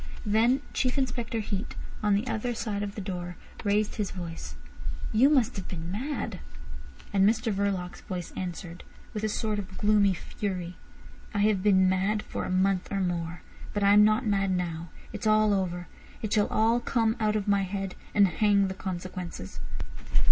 Then Chief Inspector Heat, on the other side of the door, raised his voice. "You must have been mad." And Mr Verloc's voice answered, with a sort of gloomy fury: "I have been mad for a month or more, but I am not mad now. It's all over. It shall all come out of my head, and hang the consequences."